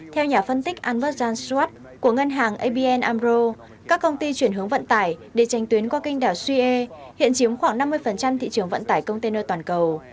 theo nhà phân tích albert jan strat của ngân hàng abn amro các công ty chuyển hướng vận tải để tranh tuyến qua kênh đảo sue hiện chiếm khoảng năm mươi thị trường vận tải container toàn cầu